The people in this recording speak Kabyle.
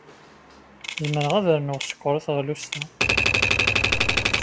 Zemreɣ ad rnuɣ sskeṛ i teɣlust-a.